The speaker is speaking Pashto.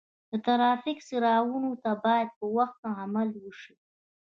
د ترافیک څراغونو ته باید په وخت عمل وشي.